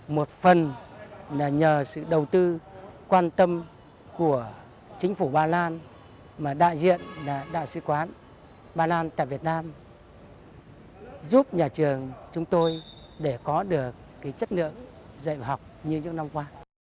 một phần là nhờ sự đầu tư quan tâm của chính phủ ba lan mà đại diện là đại sứ quán ba lan tại việt nam giúp nhà trường chúng tôi để có được chất lượng dạy và học như những năm qua